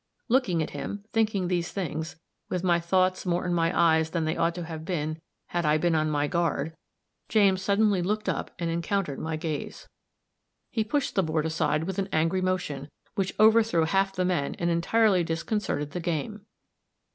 Looking at him, thinking these things, with my thoughts more in my eyes than they ought to have been had I been on my guard, James suddenly looked up and encountered my gaze. He pushed the board aside with an angry motion, which overthrew half the men and entirely disconcerted the game.